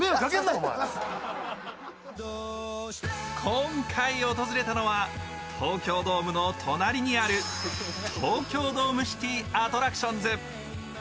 今回訪れたのは東京ドームの隣にある東京ドームシティアトラクションズ。